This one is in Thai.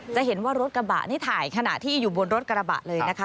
จะเห็นว่ารถกระบะนี่ถ่ายขณะที่อยู่บนรถกระบะเลยนะคะ